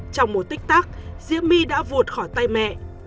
trong một tích tác diễm my đã vụt khỏi tay mẹ